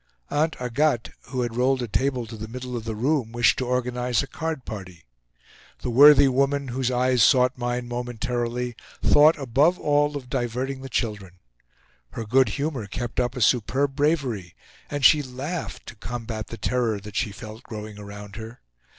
Aunt Agathe, who had rolled a table to the middle of the room, wished to organize a card party. The worthy woman, whose eyes sought mine momentarily, thought above all of diverting the children. Her good humor kept up a superb bravery; and she laughed to combat the terror that she felt growing around her.